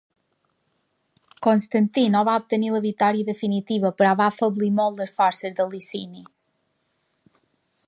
Constantí no va obtenir la victòria definitiva però va afeblir molt les forces de Licini.